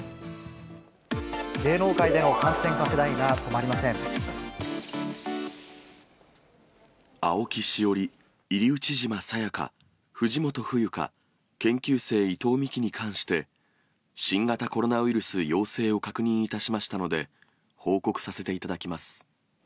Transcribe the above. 芸能界での感染拡大が止まり青木詩織、入内嶋涼、藤本冬香、研究生、伊藤実希に関して、新型コロナウイルス陽性を確認いたしましたので、報告させていただきます。